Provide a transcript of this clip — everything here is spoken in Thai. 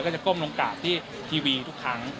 จะก้มลงกราบที่ทีวีทุกครั้ง